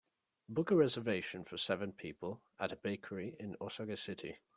Book a reservation for seven people at a bakery in Osage City